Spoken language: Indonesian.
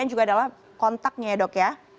yang juga adalah kontaknya ya dok ya